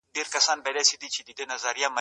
زه غواړم چې په ژوند کې یو مثبت بدلون وګورم.